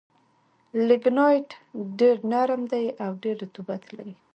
لېګنایټ ډېر نرم دي او ډېر رطوبت لري.